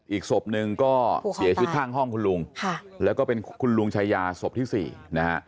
อีกศพหนึ่งก็เสียชีวิตข้างห้องคุณลุงแล้วก็เป็นคุณลุงชายาศพที่๔นะฮะ